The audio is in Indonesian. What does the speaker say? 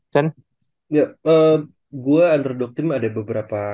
gue underdog tim ada beberapa